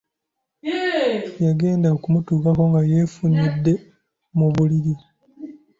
Yagenda okumutuukako nga yeefunyidde mu buliri.